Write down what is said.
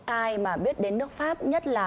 ai mà biết đến nước pháp nhất là